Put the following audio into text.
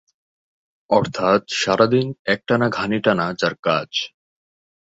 অর্থাৎ সারাদিন একটানা ঘানি টানা যার কাজ।